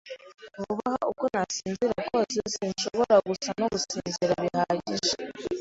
Vuba aha, uko nasinzira kose, sinshobora gusa no gusinzira bihagije.